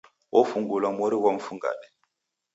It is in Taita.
Ofungulwa mori ghwa mfungade.